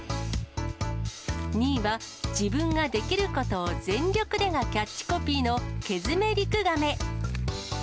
２位は自分ができることを全力でがキャッチコピーのケヅメリクガメ。